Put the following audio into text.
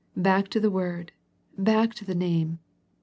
Back to the word, back to the name.